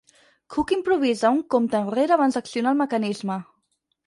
Cook improvisa un compte enrere abans d'accionar el mecanisme.